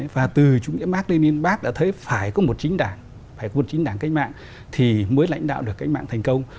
và từ chủ nghĩa mark lenin bác đã thấy phải có một chính đảng phải có một chính đảng cách mạng thì mới lãnh đạo được cách mạng thành công